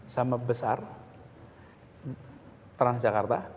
sama besar transjakarta